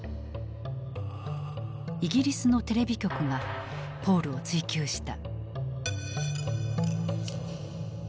イギリスのテレビ局がポールを追及した。